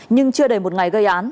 nhưng chưa đầy một ngày gây án